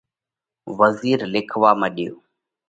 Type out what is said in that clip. وزِير لکوا مڏيو۔